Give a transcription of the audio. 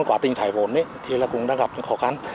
qua quá trình thoái vốn chúng tôi cũng gặp khó khăn